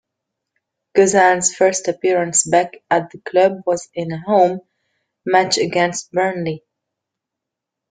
Guzan's first appearance back at the club was in a home match against Burnley.